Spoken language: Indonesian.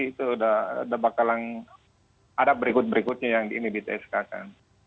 itu sudah bakalan ada berikut berikutnya yang diinibiskan